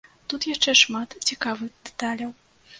Тут яшчэ шмат цікавых дэталяў!